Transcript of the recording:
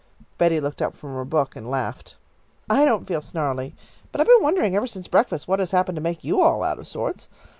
Betty looked up from her book and laughed. "I don't feel snarly, but I've been wondering ever since breakfast what had happened to make you all out of sorts.